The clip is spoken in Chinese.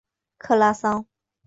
克拉桑。